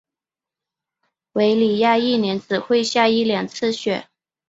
韦里亚一年只会下一两次雪。